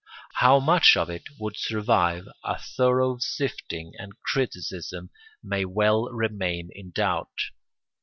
How much of it would survive a thorough sifting and criticism, may well remain in doubt.